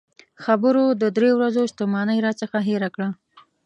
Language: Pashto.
خبرو د درې ورځو ستومانۍ راڅخه هېره کړه.